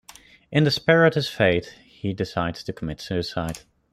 In despair at his fate, he decides to commit suicide.